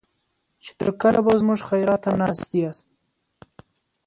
چې تر کله به زموږ خيرات ته ناست ياست.